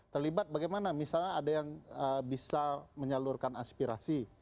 terlibat bagaimana misalnya ada yang bisa menyalurkan aspirasi